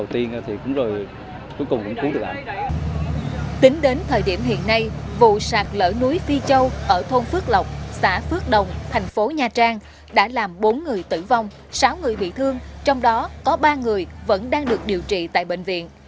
tính đến thời điểm hiện nay vụ sạt lở núi phi châu ở thôn phước lộc xã phước đồng thành phố nha trang đã làm bốn người tử vong sáu người bị thương trong đó có ba người vẫn đang được điều trị tại bệnh viện